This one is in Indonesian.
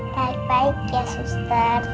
baik baik ya suster